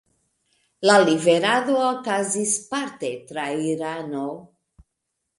La liverado okazis parte tra Irano.